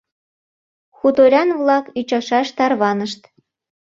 Хуторян-влак ӱчашаш тарванышт.